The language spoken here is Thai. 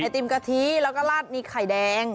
ไอติมกะทิแล้วก็ราดนี้ไข่แดง